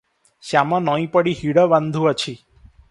ଶ୍ୟାମ ନଇଁପଡ଼ି ହିଡ଼ ବାନ୍ଧୁଅଛି ।